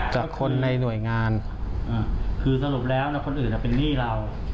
กับคนในหน่วยงานคือสรุปแล้วคนอื่นเป็นหนี้เรา